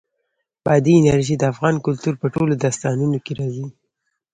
بادي انرژي د افغان کلتور په ټولو داستانونو کې راځي.